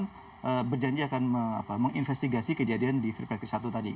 jadi ini berarti mereka berjanji akan menginvestigasi kejadian di f satu tadi